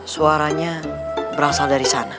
suaranya berasal dari sana